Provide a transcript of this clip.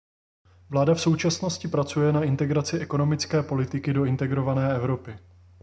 Vláda v současnosti pracuje na integraci ekonomické politiky do integrované Evropy.